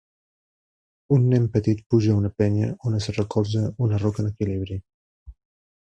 Un nen petit puja a una penya on es recolza una roca en equilibri